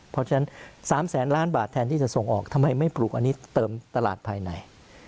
เพราะฉะนั้น๓แสนล้านบาทแทนที่จะส่งออกทำไมไม่ปลูกอันนี้เติมตลาดภายใน